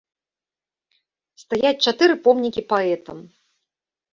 Стаяць чатыры помнікі паэтам!